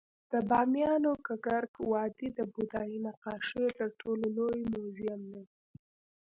د بامیانو ککرک وادي د بودايي نقاشیو تر ټولو لوی موزیم دی